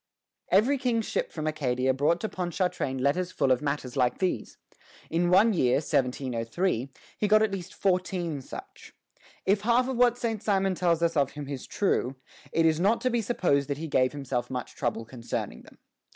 Every king's ship from Acadia brought to Ponchartrain letters full of matters like these. In one year, 1703, he got at least fourteen such. If half of what Saint Simon tells us of him is true, it is not to be supposed that he gave himself much trouble concerning them.